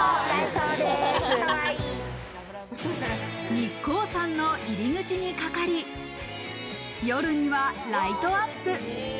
日光山の入り口にかかり、夜にはライトアップ。